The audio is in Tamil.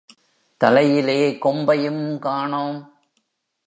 தலையிலே கொம்பையும் காணோம்.